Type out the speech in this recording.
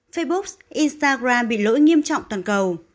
facebook instagram bị lỗi nghiêm trọng toàn cầu